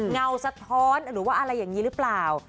เงาสะท้อนหรือว่าอะไรอย่างนี้หรือเปล่า